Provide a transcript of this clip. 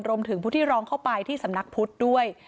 รวมถึงผู้ที่ร้องเข้าไปที่สำนักพุทธด้วย